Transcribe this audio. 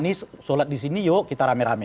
anies sholat disini yuk kita rame rame